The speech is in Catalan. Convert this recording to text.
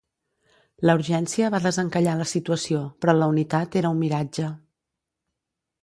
La urgència va desencallar la situació, però la unitat era un miratge.